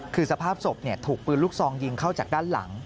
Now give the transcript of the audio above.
คือสภาพศพถูกปืนลูกซองยิงเข้าจากด้านหลัง